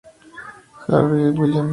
Harvey, William